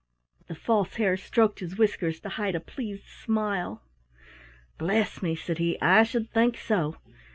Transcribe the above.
'" The False Hare stroked his whiskers to hide a pleased smile. "Bless me," said he, "I should think so!